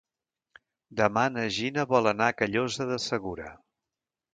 Demà na Gina vol anar a Callosa de Segura.